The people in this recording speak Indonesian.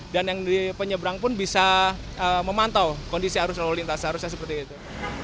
dan yang di penyeberang pun bisa memantau kondisi arus lalu lintas seharusnya seperti itu